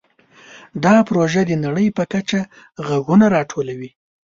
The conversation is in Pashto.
دا پروژه د نړۍ په کچه غږونه راټولوي.